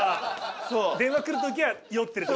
電話来る時は酔ってる時。